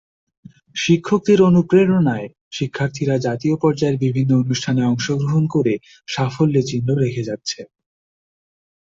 শিক্ষকদের অনুপ্রেরণায় শিক্ষার্থীরা জাতীয় পর্যায়ের বিভিন্ন অনুষ্ঠানে অংশগ্রহণ করে সাফল্যের চিহ্ন রেখে যাচ্ছে।